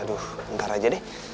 aduh entar aja ya